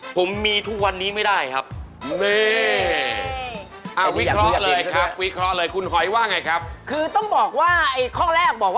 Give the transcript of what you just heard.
ผมมีทุกวันนี้ไม่ได้ครับ